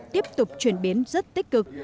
tiếp tục chuyển biến rất tích cực